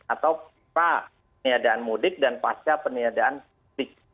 atau pas peniadaan mudik dan pasca peniadaan mudik